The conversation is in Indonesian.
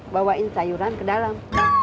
bawain sayuran ke dalam